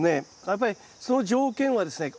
やっぱりその条件はですね